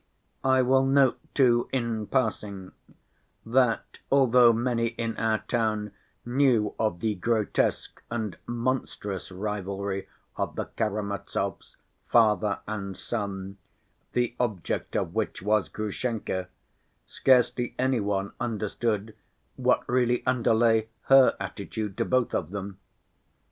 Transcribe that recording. I will note, too, in passing, that although many in our town knew of the grotesque and monstrous rivalry of the Karamazovs, father and son, the object of which was Grushenka, scarcely any one understood what really underlay her attitude to both of them.